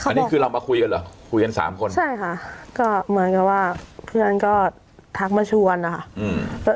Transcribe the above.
อันนี้คือเรามาคุยกันเหรอคุยกันสามคนใช่ค่ะก็เหมือนกับว่าเพื่อนก็ทักมาชวนนะคะอืม